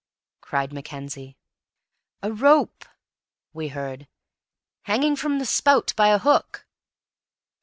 cried Mackenzie. "A rope," we heard, "hanging from the spout by a hook!"